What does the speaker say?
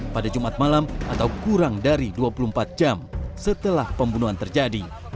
pada jumat malam atau kurang dari dua puluh empat jam setelah pembunuhan terjadi